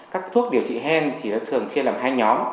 các thuốc điều trị hen thì nó thường chia làm hai nhóm